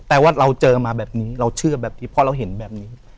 แต่ว่าเราเจอมาแบบนี้เราเชื่อแบบนี้เพราะเราเห็นแบบนี้